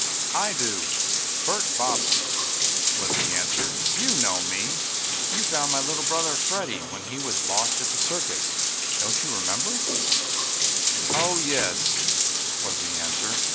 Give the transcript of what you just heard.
"I do Bert Bobbsey," was the answer. "You know me. You found my little brother Freddie, when he was lost at the circus. Don't you remember?" "Oh yes," was the answer.